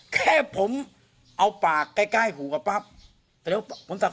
แค่ผมเอาปากใกล้ใกล้หูกะปั๊ปแต่เดี๋ยวผมศักดิ์